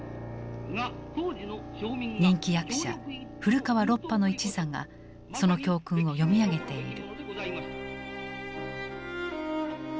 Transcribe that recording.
人気役者・古川ロッパの一座がその教訓を読み上げている。